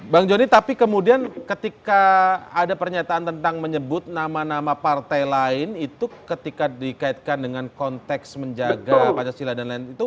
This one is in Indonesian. bang joni tapi kemudian ketika ada pernyataan tentang menyebut nama nama partai lain itu ketika dikaitkan dengan konteks menjaga pancasila dan lain itu